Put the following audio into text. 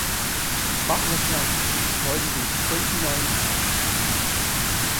Butler County is divided into twenty-nine townships.